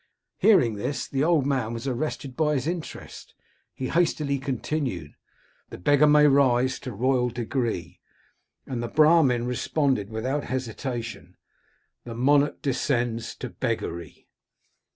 " Hearing this, the old man was arrested by his interest He hastily continued —* The beggar may rise to royal degree '; and the Brahmin responded without hesitation —* The monarch descend to beggary.'